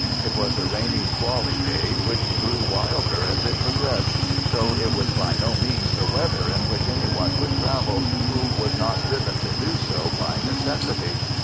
It was a rainy, squally day, which grew wilder as it progressed, so it was by no means the weather in which any one would travel who was not driven to do so by necessity.